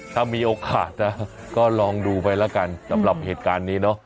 ถ้ามีโอกาสนะก็ลองดูไปแล้วกันสำหรับเหตุการณ์นี้เนอะ